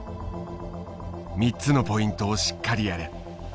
「３つのポイントをしっかりやれ。